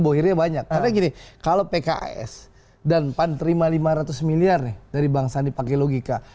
bohirnya banyak karena gini kalau pks dan pan terima lima ratus miliar dari bang sandi pakai logika